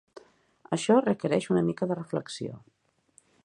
Això requereix una mica de reflexió.